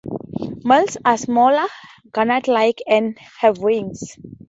Males are smaller, gnat-like and have wings.